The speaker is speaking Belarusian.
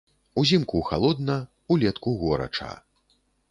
Узімку халодна, улетку горача.